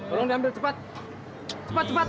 tolong diambil cepat cepat